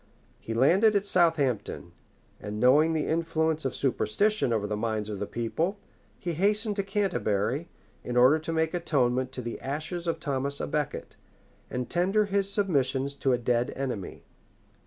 He lauded at Southampton; and knowing the influence of superstition over the minds of the people, he hastened to Canterbury, in order to make atonement to the ashes of Thomas à Becket, and tender his submissions to a dead enemy.